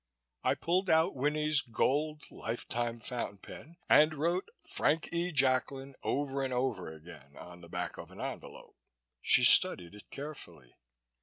I pulled out Winnie's gold, life time fountain pen and wrote "Frank E. Jacklin" over and over again on the back of an envelope. She studied it carefully.